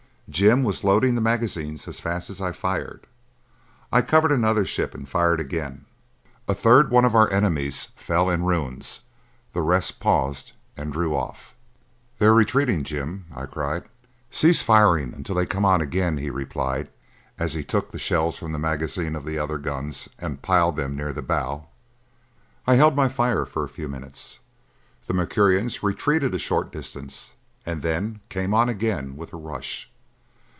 Jim was loading the magazine as fast as I fired. I covered another ship and fired again. A third one of our enemies fell in ruins. The rest paused and drew off. "They're retreating, Jim!" I cried. "Cease firing until they come on again," he replied is he took the shells from the magazines of the other guns and piled them near the bow gun. I held my fire for a few minutes. The Mercurians retreated a short distance and then came on again with a rush.